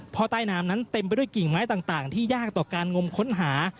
เพราะใต้น้ำนั้นเต็มไปด้วยกิ่งไม้ต่างที่ยากต่อการงมค้นหา